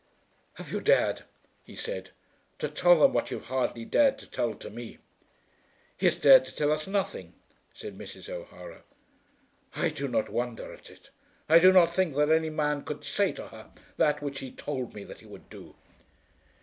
"Have you dared," he said, "to tell them what you hardly dared to tell to me?" "He has dared to tell us nothing," said Mrs. O'Hara. "I do not wonder at it. I do not think that any man could say to her that which he told me that he would do."